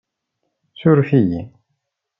Suref-iyi.